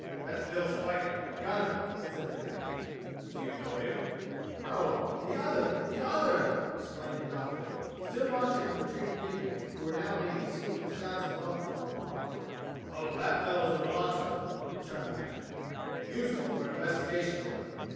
"That's Bill Spiker the gunner," said the captain. "Do you know him?" "No — the other, the other," exclaimed the Doctor, still watching the retreating figures who were now being received with shouts of welcome from the barn. "Oh, that fellow's a mulatto," returned the captain; "useful for investigation work.